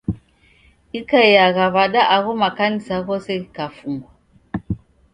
Ikaiagha w'ada agho makanisa ghose ghikafungwa?